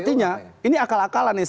artinya ini akal akalan nih